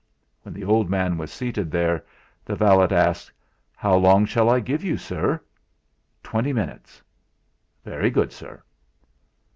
When the old man was seated there, the valet asked: "How long shall I give you, sir?" "Twenty minutes." "Very good, sir."